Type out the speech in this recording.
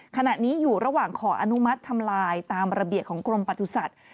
ขณะนี้อยู่ระหว่างขออนุมัติทำลายตามระเบียบของกรมประสุทธิ์